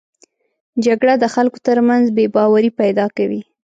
جګړه د خلکو تر منځ بې باوري پیدا کوي